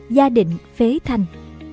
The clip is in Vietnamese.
gia định phế thành